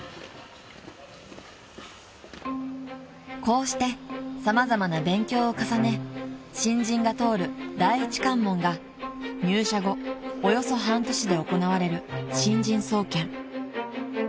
［こうして様々な勉強を重ね新人が通る第一関門が入社後およそ半年で行われる］